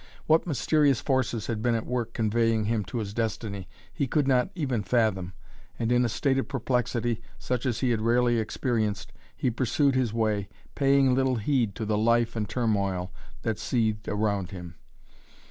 What mysterious forces had been at work conveying him to his destiny, he could not even fathom and, in a state of perplexity, such as he had rarely experienced, he pursued his way, paying little heed to the life and turmoil that seethed around him.